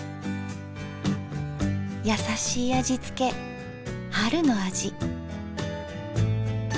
優しい味付け春の味。